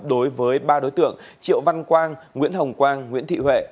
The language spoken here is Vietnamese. đối với ba đối tượng triệu văn quang nguyễn hồng quang nguyễn thị huệ